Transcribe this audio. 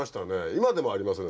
今でもありますね